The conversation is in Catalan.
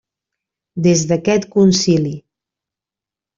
Des d'aquest Concili.